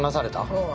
うん。